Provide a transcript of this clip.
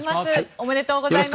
おめでとうございます。